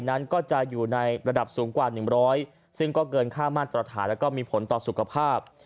นั้นก็จะอยู่ในระดับสูงกว่า๑๐๐ซึ่งก็เกินค่ามาตรฐานแล้วก็มีผลต่อสุขภาพ